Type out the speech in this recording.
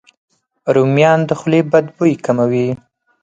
رومیان د خولې بد بوی کموي.